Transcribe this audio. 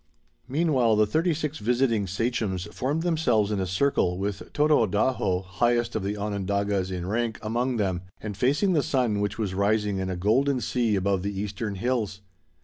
Meanwhile the thirty six visiting sachems formed themselves in a circle, with Tododaho, highest of the Onondagas in rank, among them, and facing the sun which was rising in a golden sea above the eastern hills.